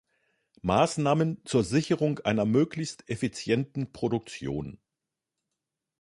Maßnahmen zur Sicherung einer möglichst effizienten Produktion.